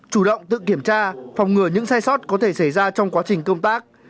chủ động tự kiểm tra phòng ngừa những sai sót có thể xảy ra trong quá trình công tác